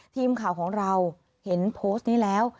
ทีมข่าวของเราเห็นโพสต์นี้แล้ว